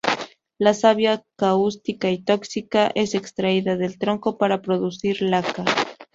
La savia, cáustica y tóxica, es extraída del tronco para producir laca.